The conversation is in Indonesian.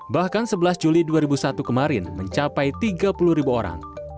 bahkan sebelas juli dua ribu satu kemarin mencapai tiga puluh ribu orang